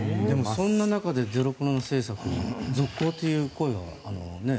そんな中でゼロコロナ政策を続行という声が。